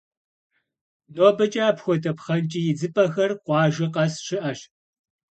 Нобэкӏэ апхуэдэ пхъэнкӏий идзыпӏэхэр къуажэ къэс щыӏэщ.